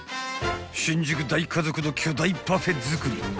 ［新宿大家族の巨大パフェ作り］